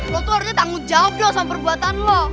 lu tuh harusnya tanggung jawab dong sama perbuatan lu